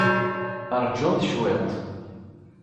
Ṛjumt cwiṭ.